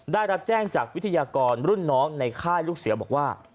ได้รับแจ้งจากวิทยากรรุ่นน้องในค่ายลูกเสือบอกว่า